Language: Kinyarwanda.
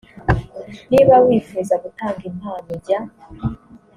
niba wifuza gutanga impano jya